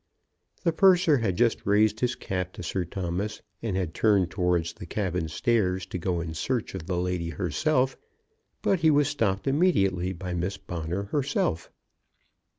The purser had just raised his cap to Sir Thomas, and had turned towards the cabin stairs to go in search of the lady herself; but he was stopped immediately by Miss Bonner herself.